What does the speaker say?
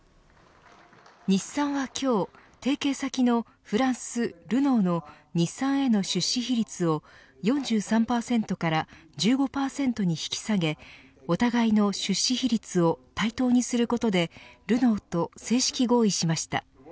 日産は今日提携先のフランス、ルノーの日産への出資比率を４３％から１５％に引き下げお互いの出資比率を対等にすることで、ルノーと正式合意しました。